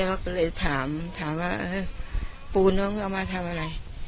แต่ว่าก็เลยถามถามว่าปูน้องเอามาทำอะไร